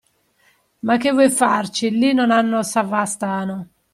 Ma che vuoi farci lì non hanno Savastano.